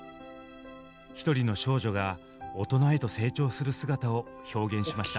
ひとりの少女が大人へと成長する姿を表現しました。